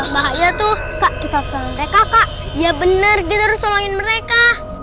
bahaya tuh kak kita selesai kakak ya bener gini semuanya mereka